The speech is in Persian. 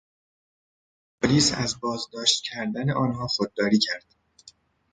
پلیس از بازداشت کردن آنها خودداری کرد.